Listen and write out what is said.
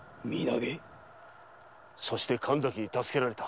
そして神崎に助けられた。